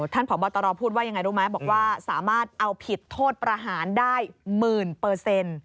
พบตรพูดว่ายังไงรู้ไหมบอกว่าสามารถเอาผิดโทษประหารได้หมื่นเปอร์เซ็นต์